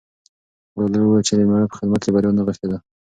ګلالۍ وویل چې د مېړه په خدمت کې بریا نغښتې ده.